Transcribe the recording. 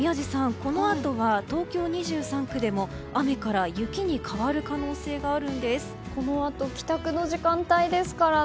このあとは東京２３区でも雨から雪に変わる可能性がこのあと帰宅の時間帯ですからね。